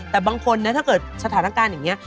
แต่บางคนนะถ้าเกิดสถานการณ์อย่างนี้